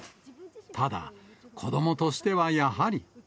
ただ、子どもとしてはやはり。